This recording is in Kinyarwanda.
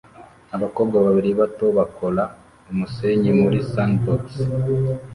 Abakobwa babiri bato bakora umusenyi muri sandbox